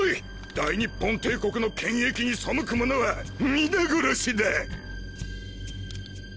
大日本帝国の権益に背く者は皆殺しだ。